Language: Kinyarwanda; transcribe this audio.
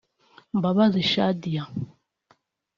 Mbabazi Shadia